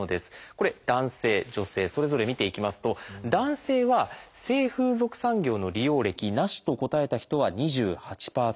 これ男性女性それぞれ見ていきますと男性は性風俗産業の利用歴「なし」と答えた人は２８％。